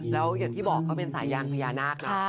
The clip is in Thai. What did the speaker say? แล้วอย่างที่บอกเขาเป็นสายยานพญานาคนะ